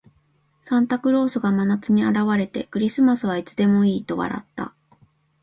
サンタクロースが真夏に現れて、「クリスマスはいつでもいい」と笑った。